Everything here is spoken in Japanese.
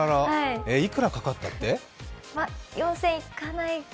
いくらかかったって？